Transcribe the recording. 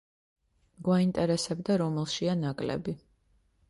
გვაინტერესებდა, რომელშია ნაკლები.